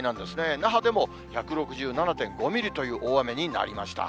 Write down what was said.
那覇でも１６７．５ミリという大雨になりました。